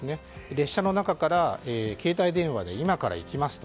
列車の中から携帯電話で今から行きますと。